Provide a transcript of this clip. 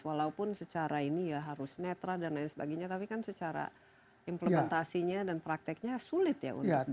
walaupun secara ini ya harus netral dan lain sebagainya tapi kan secara implementasinya dan prakteknya sulit ya untuk